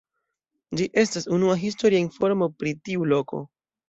Ĝi estas unua historia informo pri tiu loko.